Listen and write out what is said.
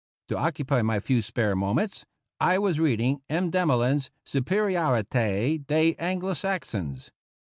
To occupy my few spare moments, I was reading M. Demolins's " Supe riorite des Anglo Saxons."